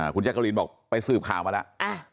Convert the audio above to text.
คุณแจ๊กกะลีนบอกไปสืบข่าวมาแล้ว